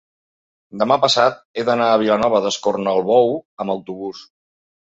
demà passat he d'anar a Vilanova d'Escornalbou amb autobús.